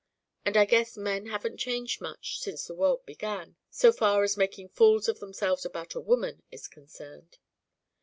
And I guess men haven't changed much since the world began, so far as making fools of themselves about a woman is concerned."